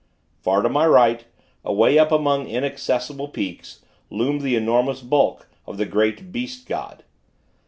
Far to my right, away up among inaccessible peaks, loomed the enormous bulk of the great Beast god.